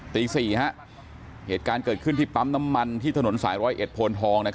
ตี๔เหตุการณ์เกิดขึ้นที่ปั๊มน้ำมันที่ถนนสายร้อยเอ็ดโพนทอง